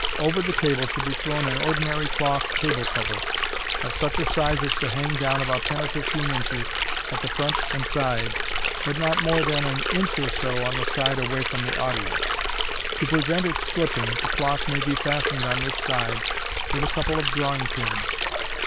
Over the table should be thrown an ordinary cloth table cover, of such a size as to hang down about ten or fifteen inches at the front and sides, but not more than an inch or so on the side away from the audience. To prevent its slipping, the cloth may be fastened on this side with a couple of drawing pins.